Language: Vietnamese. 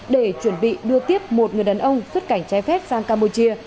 để chuẩn bị đưa tiếp một người đàn ông xuất cảnh trái phép sang campuchia